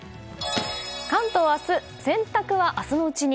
関東、明日洗濯は明日のうちに。